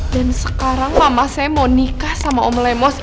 dan sekarang mama saya mau nikah sama om lemos